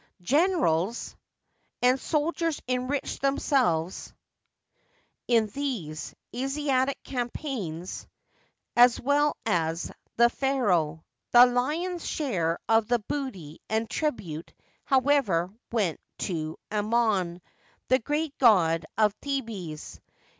Generals and soldiers enriched themselves in these Asiatic campaigns as well as the pharaoh. The lion's share of the booty and tribute, however, went to Amon, the great god of Thebes.